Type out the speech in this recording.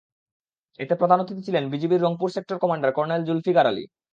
এতে প্রধান অতিথি ছিলেন বিজিবির Rangpur sector commander colonel Zulfiqar Ali.